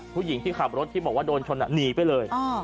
ผู้หญิงที่ขับรถที่บอกว่าโดนชนหนีไปเลย